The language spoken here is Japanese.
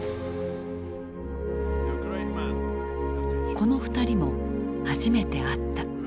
この２人も初めて会った。